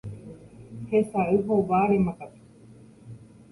hesay hovárema katu.